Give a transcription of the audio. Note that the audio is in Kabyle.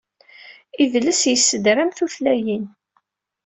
Idles yessedram tutlayin.